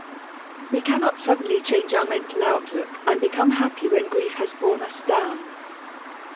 We cannot suddenly change our mental outlook and become happy when grief has borne us down.